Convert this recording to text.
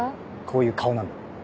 こういう顔なんだ。